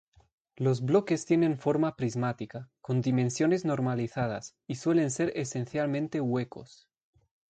Los bloques tienen forma prismática, con dimensiones normalizadas, y suelen ser esencialmente huecos.